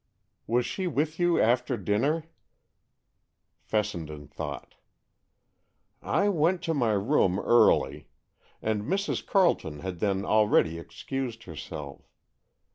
"Was she with you after dinner?" Fessenden thought. "I went to my room early; and Mrs. Carleton had then already excused herself.